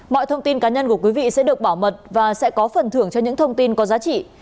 mọi thông tin cá nhân của quý vị sẽ được bảo mật và sẽ có phần thưởng cho những thông tin có giá trị